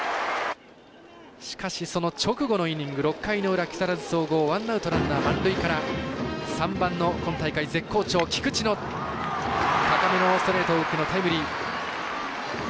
しかし、その直後のイニング６回の裏、木更津総合ワンアウト、ランナー、満塁から３番の今大会絶好調、菊地の高めのストレートを打ってのタイムリー。